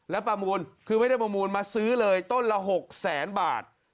แล้วประมูลคือไม่ได้ประมูลมาซื้อเลยต้นละ๖แสนบาท